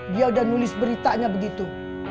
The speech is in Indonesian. dia udah nulis beritanya begitu